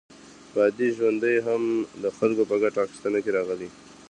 بادي ژرندې هم د خلکو په ګټه اخیستنه کې راغلې.